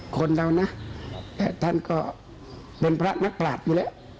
คนเรานะท่านก็เป็นพระนักปราศมาแล้ว